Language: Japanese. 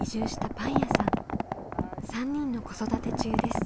３人の子育て中です。